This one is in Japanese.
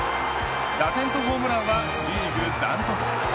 打点とホームランはリーグ断トツ。